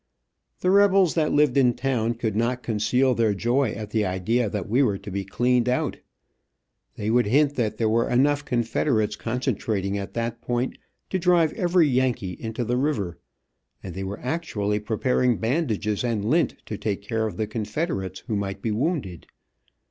The rebels that lived in town could not conceal their joy at the idea that we were to be cleaned out. They would hint that there were enough Confederates concentrating at that point to drive every Yankee into the river, and they were actually preparing bandages and lint, to take care of the Confederates who might be wounded.